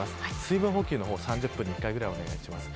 水分補給は３０分に１回お願いします。